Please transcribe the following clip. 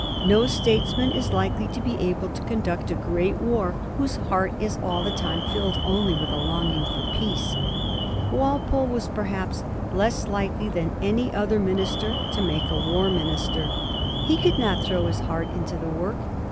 No statesman is likely to be able to conduct a great war whose heart is all the time filled only with a longing for peace. Walpole was perhaps less likely than any other statesman to make a war minister. He could not throw his heart into the work.